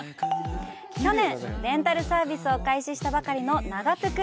去年、レンタルサービスを開始したばかりの「ながトゥク」。